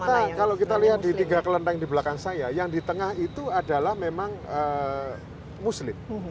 karena kalau kita lihat di tiga kelentang di belakang saya yang di tengah itu adalah memang muslim